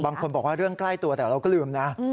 บางคนบอกว่าเรื่องใกล้ตัวแต่เราก็ลืมนะ